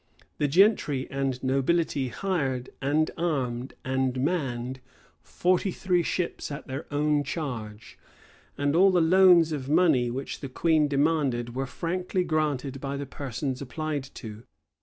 [] The gentry and nobility hired, and armed, and manned forty three ships at their own charge;[] and all the loans of money which the queen demanded were frankly granted by the persons applied to.